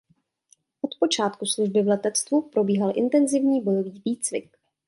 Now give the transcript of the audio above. Od počátku služby v letectvu probíhal intenzivní bojový výcvik.